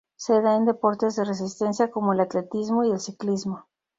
Se da en deportes de resistencia como el atletismo y el ciclismo.